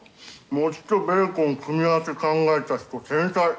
餅とベーコン組み合わせ考えた人天才！